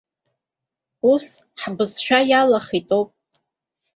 Ус ҳбызшәа иалахеит ауп.